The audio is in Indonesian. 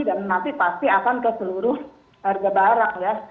dan pasti akan ke seluruh harga barang ya